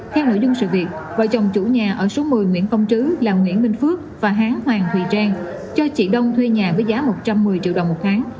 theo nội dung sự việc vợ chồng chủ nhà ở số một mươi nguyễn công trứ là nguyễn minh phước và hán hoàng thùy trang cho chị đông thuê nhà với giá một trăm một mươi triệu đồng một tháng